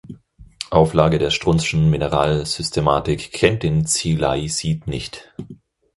Auflage der Strunz’schen Mineralsystematik kennt den "Tsilaisit" nicht.